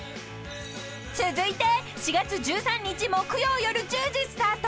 ［続いて４月１３日木曜夜１０時スタート